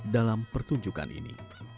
dalam pertunjukan ini